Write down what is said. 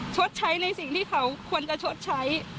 ชดใช้ในสิ่งที่เขาควรจะชดใช้